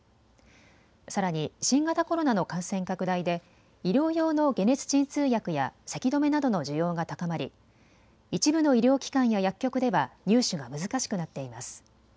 さらに新型コロナの感染拡大で医療用の解熱鎮痛薬やせき止めなどの需要が高まり一部の医療機関や薬局では入手が難しくなっています。